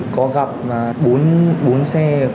có gặp bốn xe